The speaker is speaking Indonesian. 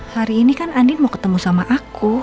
hari ini kan andi mau ketemu sama aku